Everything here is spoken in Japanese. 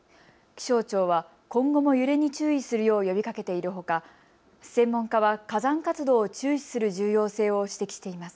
気象庁は今後も揺れに注意するよう呼びかけているほか専門家は火山活動を注視する重要性を指摘しています。